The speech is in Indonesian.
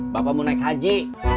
bapak mau naik haji